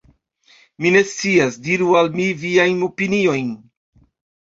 Mi ne scias. Diru al mi viajn opiniojn.